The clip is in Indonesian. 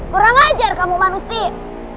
kurang ajar kamu manusia